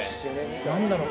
何だろう？